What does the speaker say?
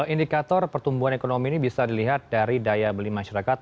indikator pertumbuhan ekonomi ini bisa dilihat dari daya beli masyarakat